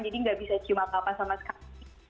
jadi nggak bisa cium apa apa sama sekali